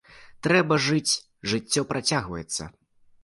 Трэба жыць, жыццё працягваецца.